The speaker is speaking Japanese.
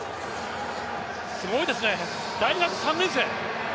すごいですね、大学３年生。